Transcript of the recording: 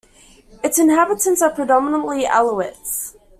Its inhabitants are predominantly Alawites.